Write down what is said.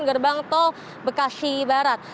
gerbang tol bekasi barat